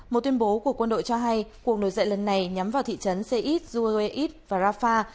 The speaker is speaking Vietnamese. một tuyên bố của quân đội cho hay cuộc nổi dậy lần này nhắm vào thị trấn seit zuaweid và rafah